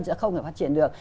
sẽ không thể phát triển được